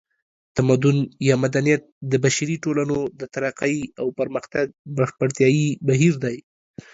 تمدن یا مدنیت د بشري ټولنو د ترقۍ او پرمختګ بشپړتیایي بهیر دی